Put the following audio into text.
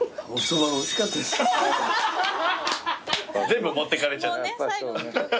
全部持ってかれちゃった。